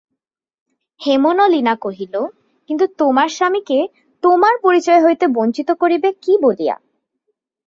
হেমনলিনী কহিল, কিন্তু তোমার স্বামীকে তোমার পরিচয় হইতে বঞ্চিত করিবে কী বলিয়া।